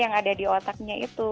yang ada di otaknya itu